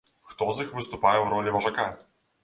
Хто з іх выступае ў ролі важака?